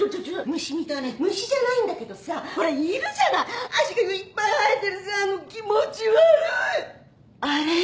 虫みたいな虫じゃないんだけどさほらいるじゃない足がいっぱい生えてるさあの気持ち悪いあれよ。